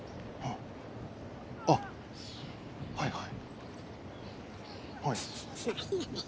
あっはいはい。